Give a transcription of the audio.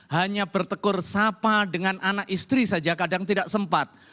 hanya bertegur sapa dengan anak istri saja kadang tidak sempat